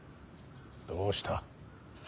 どうした。